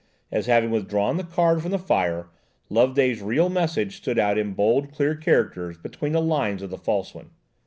as, having withdrawn the card from the fire, Loveday's real message stood out in bold, clear characters between the lines of the false one.